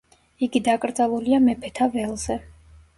იგი დაკრძალულია მეფეთა ველზე.